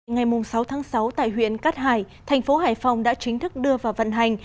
ngày sáu tháng sáu tại huyện cát hải thành phố hải phòng đã chính thức đưa vào vận hành